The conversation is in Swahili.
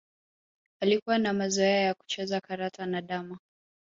Alikuwa na mazoea ya kucheza karata na damma